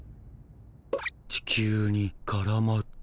地球にからまった。